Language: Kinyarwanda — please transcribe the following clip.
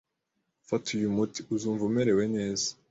Fata uyu muti, uzumva umerewe neza